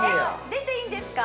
出ていいんですか？